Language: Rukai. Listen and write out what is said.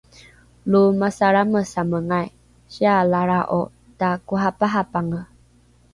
lo masalramesamengai sialalra’o takoraparapange